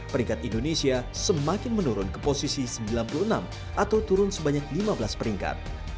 peringkat indonesia semakin menurun ke posisi sembilan puluh enam atau turun sebanyak lima belas peringkat